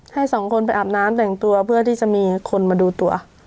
ให้สองคนไปอาบน้ำแต่งตัวเพื่อที่จะมีคนมาดูตัว